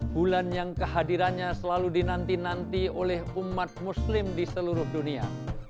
bulan yang kehadirannya selalu dinanti nanti oleh umat muslim di seluruh dunia